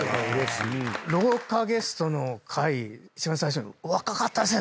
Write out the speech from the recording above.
廊下ゲストの回一番最初若かったですね！